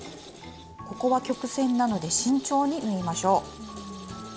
ここは曲線なので慎重に縫いましょう。